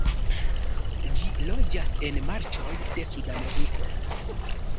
Ĝi loĝas en marĉoj de Sudameriko.